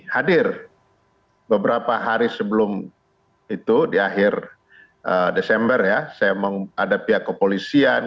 hadir beberapa hari sebelum itu di akhir desember ya saya mengadapi kepolisian